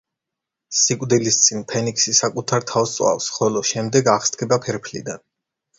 სიკვდილის წინ ფენიქსი საკუთარ თავს წვავს, ხოლო შემდეგ აღსდგება ფერფლიდან.